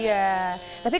wah itu dia